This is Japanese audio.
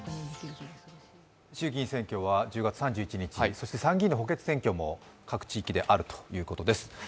衆議院選挙は１０月３１日、そして参議院の補欠選挙も各地域であるということです。